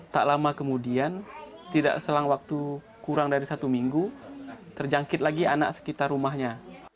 tak lama kemudian tidak selang waktu kurang dari satu minggu terjangkit lagi anak sekitar rumahnya